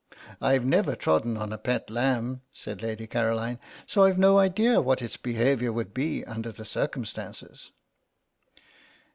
"I've never trodden on a pet lamb," said Lady Caroline, "so I've no idea what its behaviour would be under the circumstances."